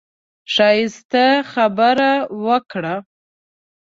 ښايسته خبرې وکړه.